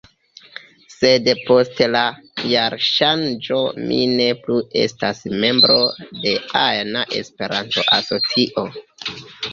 Sed post la jarŝanĝo mi ne plu estas membro de ajna Esperanto-asocio.